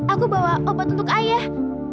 aku bawa obat untuk ayah